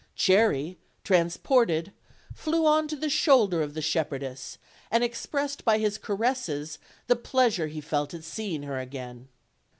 Cherry, transported, flew on to the shoulder of the shep herdess, and expressed by his caresses the pleasure he felt at seeing her again.